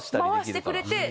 回してくれて。